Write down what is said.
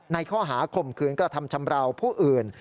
ข้อหาข่มขืนกระทำชำราวผู้อื่น